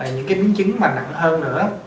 những cái miếng chứng mà nặng hơn nữa